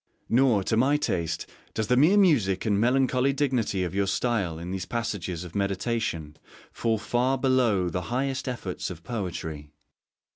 Nor, to my taste, does the mere music and melancholy dignity of your style in these passages of meditation fall far below the highest efforts of poetry.